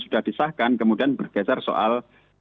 sudah disahkan kemudian bergeser soal